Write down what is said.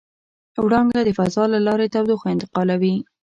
وړانګه د فضا له لارې تودوخه انتقالوي.